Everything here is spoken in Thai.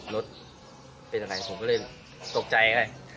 โรดเป็นอะไรวะผมก็เลย่ตกใจเลย